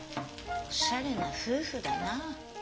おしゃれな夫婦だな。